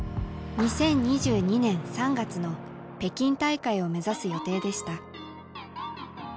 ２０２２年３月の北京大会を目指す予定でした。